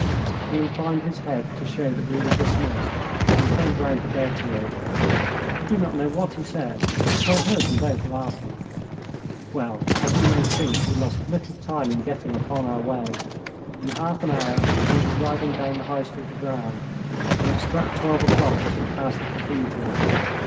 He inclined his head to show that we were dismissed, and turned round to Berthier. I do not know what he said, but I heard them both laughing. Well, as you may think, we lost little time in getting upon our way. In half an hour we were riding down the High Street of Rheims, and it struck twelve o'clock as we passed the Cathedral.